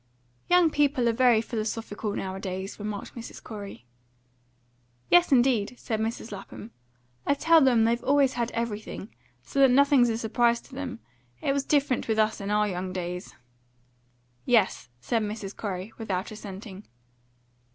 "Young people are very philosophical nowadays," remarked Mrs. Corey. "Yes, indeed," said Mrs. Lapham. "I tell them they've always had everything, so that nothing's a surprise to them. It was different with us in our young days." "Yes," said Mrs. Corey, without assenting.